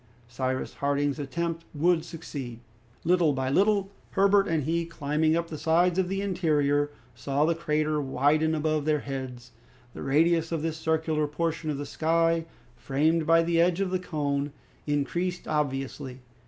Cyrus Harding's attempt would succeed. Little by little, Herbert and he climbing up the sides of the interior, saw the crater widen above their heads. The radius of this circular portion of the sky, framed by the edge of the cone, increased obviously.